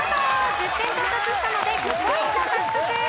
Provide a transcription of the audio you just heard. １０点到達したので５ポイント獲得。